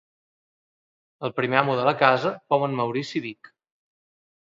El primer amo de la casa fou en Maurici Vic.